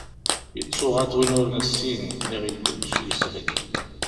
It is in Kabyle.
Yettuɣaḍ win ur nessin, iɣill kullec yeshel.